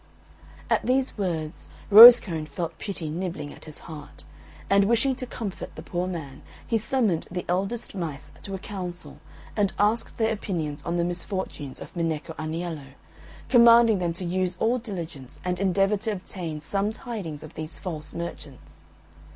At these words Rosecone felt pity nibbling at his heart, and, wishing to comfort the poor man, he summoned the eldest mice to a council, and asked their opinions on the misfortunes of Minecco Aniello, commanding them to use all diligence and endeavour to obtain some tidings of these false merchants.